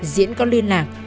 diễn có liên lạc